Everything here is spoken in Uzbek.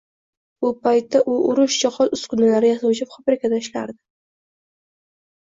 Bu paytda u urush jihoz-uskunalari yasovchi fabrikada ishlardi